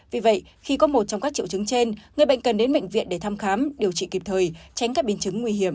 vì vậy khi có một trong các triệu chứng trên người bệnh cần đến bệnh viện để thăm khám điều trị kịp thời tránh các biến chứng nguy hiểm